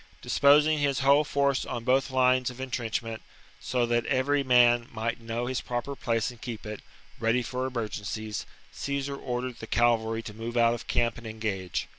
Disposing his whole force on both lines of Defeat of entrenchment, so that every man might know his cavalry. proper place and keep it, ready for emergencies, Caesar ordered the cavalry to move out of camp and engage.